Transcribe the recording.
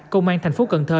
công an thành phố cần thơ